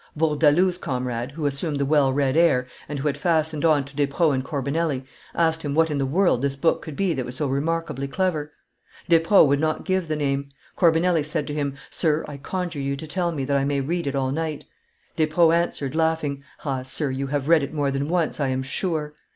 Bourdaloue's comrade, who assumed the well read air, and who had fastened on to Despreaux and Corbinelli, asked him what in the world this book could be that was so remarkably clever. Despreaux would not give the name. Corbinelli said to him, 'Sir, I conjure you to tell me, that I may read it all night.' Despreaux answered, laughing, 'Ah! sir, you have read it more than once, I am sure.